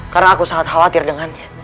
karena aku sangat khawatir dengannya